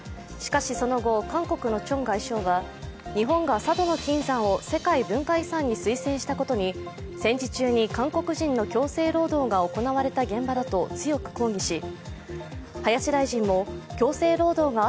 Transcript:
しかしその後、韓国のチョン外相は日本が佐渡島の金山を世界文化遺産に推薦したことに戦時中に韓国人の強制労働が行われた現場だと強く抗議し、